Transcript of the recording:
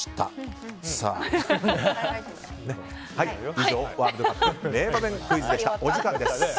以上、ワールドカップ名場面クイズでした。